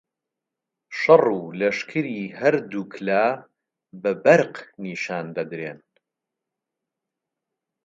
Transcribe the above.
شەڕ و لەشکری هەردووک لا بە بەرق نیشان دەدرێن